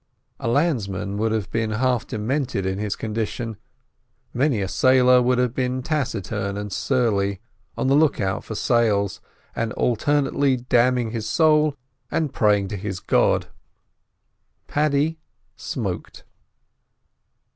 A landsman would have been half demented in his condition, many a sailor would have been taciturn and surly, on the look out for sails, and alternately damning his soul and praying to his God. Paddy smoked.